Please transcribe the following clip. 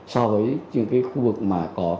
so với những cái khu vực mà có